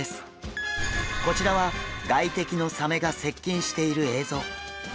こちらは外敵のサメが接近している映像。